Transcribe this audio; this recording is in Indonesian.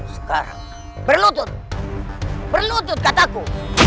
sekarang berlutut berlutut kataku